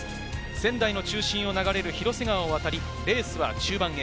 県内の中心を流れる広瀬川を渡り、レースは終盤へ。